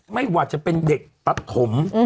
ไม่หวัดจะเป็นเด็กตัดถม